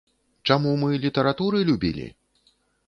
Чаму мы літаратуры любілі?